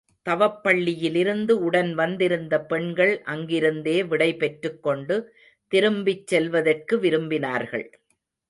தவப்பள்ளியிலிருந்து உடன் வந்திருந்த பெண்கள் அங்கிருந்தே விடை பெற்றுக்கொண்டு திரும்பிச் செல்வதற்கு விரும்பினார்கள்.